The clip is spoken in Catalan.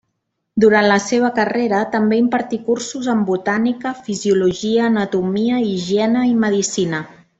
Durant la seva carrera també impartí cursos en botànica, fisiologia, anatomia, higiene i medicina.